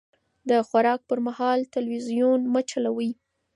د خوراک پر مهال تلويزيون مه چلوئ.